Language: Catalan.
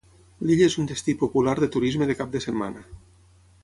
L'illa és un destí popular de turisme de cap de setmana.